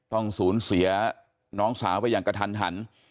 ต้องสูญเสียน้องสาวไปอย่างกระทันหัน